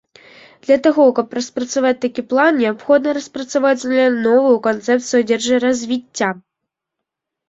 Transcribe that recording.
Для таго каб распрацаваць такі план, неабходна распрацаваць з нуля новую канцэпцыю дзяржразвіцця.